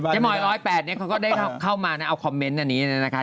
เจ๊มอยร์๑๐๘เขาก็ได้เข้ามาเอาคอมเมนต์อันนี้นะค่ะ